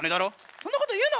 そんなこと言うな！